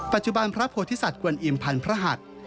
ปัจจุบันพระโพธิสัตว์กวนอิมพันพระหัส